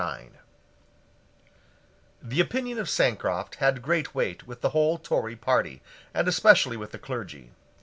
The opinion of Sancroft had great weight with the whole Tory party, and especially with the clergy.